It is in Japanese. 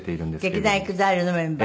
劇団ＥＸＩＬＥのメンバー？